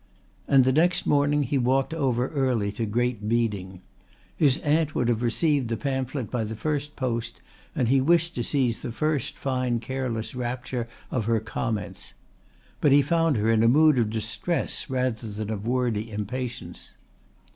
And the next morning he walked over early to Great Beeding. His aunt would have received the pamphlet by the first post and he wished to seize the first fine careless rapture of her comments. But he found her in a mood of distress rather than of wordy impatience.